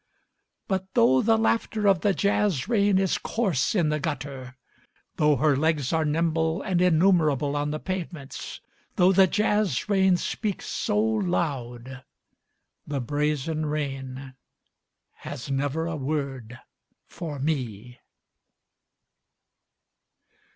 But though the laughter of the jazz rain is coarse in the gutter, Though her legs are nimble and innumerable on the pave ments. Though the jazz rain speaks so loud. The brazen rain has never a word for me.